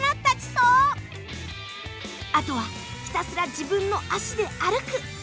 あとはひたすら自分の足で歩く。